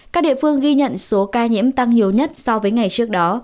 các địa phương ghi nhận số ca nhiễm tăng nhiều nhất so với ngày trước đó